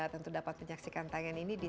tentu dapat menyaksikan tangan ini